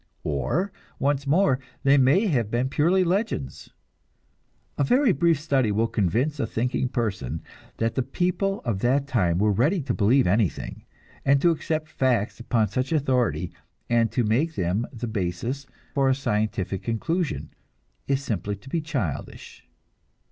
Or, once more, they may have been purely legends. A very brief study will convince a thinking person that the people of that time were ready to believe anything, and to accept facts upon such authority, and to make them the basis for a scientific conclusion, is simply to be childish.